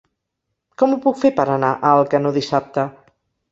Com ho puc fer per anar a Alcanó dissabte?